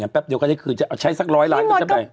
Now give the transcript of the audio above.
แป๊บเดียวก็ได้คืนใช้สักร้อยล้านก็ได้